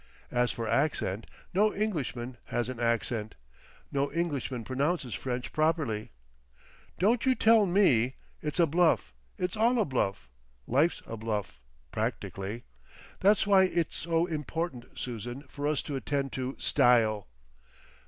Zzzz. As for accent, no Englishman has an accent. No Englishman pronounces French properly. Don't you tell me. It's a Bluff.—It's all a Bluff. Life's a Bluff—practically. That's why it's so important, Susan, for us to attend to Style.